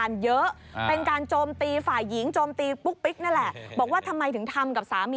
เรื่องนี้พอมันมีการลงโลกโซเชียลไปแล้ว